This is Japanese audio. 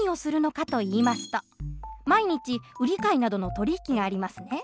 毎日売り買いなどの取り引きがありますね。